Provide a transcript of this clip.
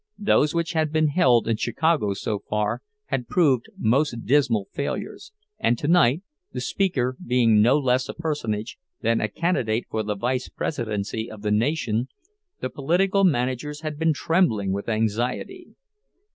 Those which had been held in Chicago so far had proven most dismal failures, and tonight, the speaker being no less a personage than a candidate for the vice presidency of the nation, the political managers had been trembling with anxiety.